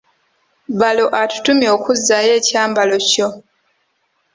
Balo atutumye okuzzaayo ekyambalo kyo!